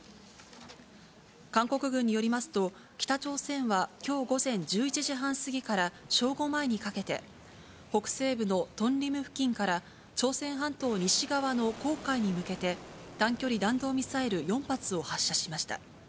韓国軍によりますと、北朝鮮はきょう午前１１時半過ぎから正午前にかけて、北西部のトンリム付近から朝鮮半島西側の黄海に向けて、短距離弾道ミサイル４発を発射しました。